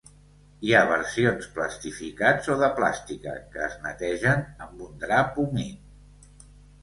Hi ha versions plastificats o de plàstica, que es netegen amb un drap humit.